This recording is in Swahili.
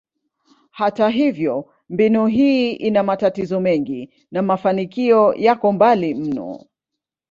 Hata hivyo, mbinu hii ina matatizo mengi na mafanikio yako mbali mno.